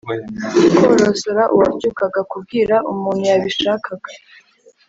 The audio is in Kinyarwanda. korosora uwabyukaga kubwira umuntu yabishakaga